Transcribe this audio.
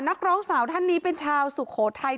รักร้องสาวท่านนี้เป็นชาวสุขโทย์ไทย